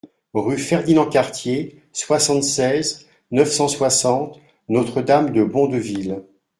Rue Ferdinand Cartier, soixante-seize, neuf cent soixante Notre-Dame-de-Bondeville